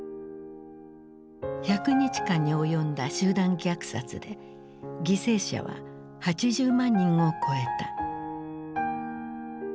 １００日間に及んだ集団虐殺で犠牲者は８０万人を超えた。